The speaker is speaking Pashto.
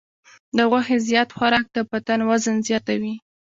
د غوښې زیات خوراک د بدن وزن زیاتوي.